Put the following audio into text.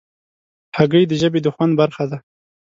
هګۍ د ژبې د خوند برخه ده.